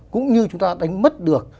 cũng như chúng ta đánh mất được